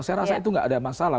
saya rasa itu nggak ada masalah